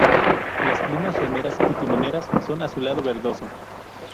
Las plumas remeras y timoneras son azulado verdoso.